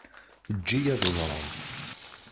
Eǧǧ-iyi ad ẓreɣ.